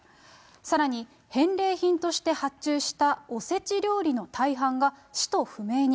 さらに、返礼品として発注したおせち料理の大半が使途不明に。